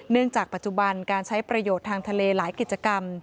จากปัจจุบันการใช้ประโยชน์ทางทะเลหลายกิจกรรม